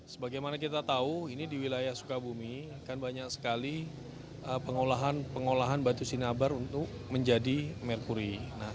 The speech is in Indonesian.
sebagaimana kita tahu ini di wilayah sukabumi kan banyak sekali pengolahan pengolahan batu sinabar untuk menjadi merkuri